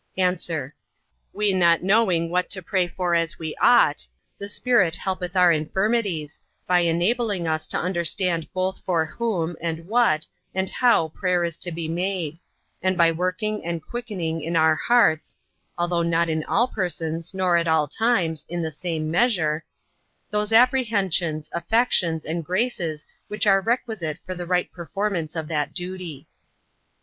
A. We not knowing what to pray for as we ought, the Spirit helpeth our infirmities, by enabling us to understand both for whom, and what, and how prayer is to be made; and by working and quickening in our hearts (although not in all persons, nor at all times, in the same measure) those apprehensions, affections, and graces which are requisite for the right performance of that duty.